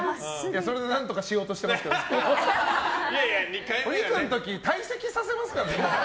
それで何とかしようとしてますけどお肉の時退席させますからね。